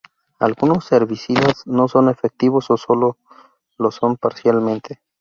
Algunos herbicidas no son efectivos o solo lo son parcialmente.